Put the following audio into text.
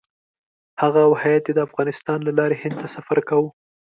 هغه او هیات یې د افغانستان له لارې هند ته سفر کاوه.